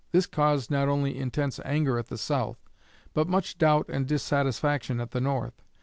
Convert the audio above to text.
This caused not only intense anger at the South, but much doubt and dissatisfaction at the North.